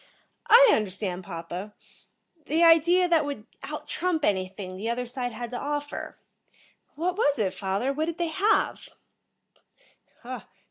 "I understand, papa. The idea that would out trump anything the other side had to offer. What was it, father? What did they have?"